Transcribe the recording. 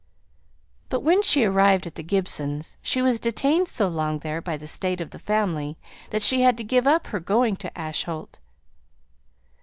But when she arrived at the Gibsons', she was detained so long there by the state of the family, that she had to give up her going to Ash holt.